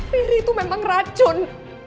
riri itu memang racun